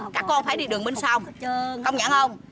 các con phải đi đường bên sau công nhận hơn